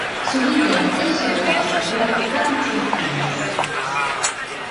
Su vídeo es sobre la caricatura Happy Tree Friends.